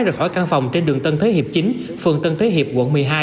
rời khỏi căn phòng trên đường tân thế hiệp chín phường tân thế hiệp quận một mươi hai